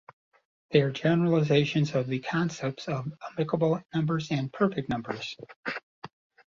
They are generalizations of the concepts of amicable numbers and perfect numbers.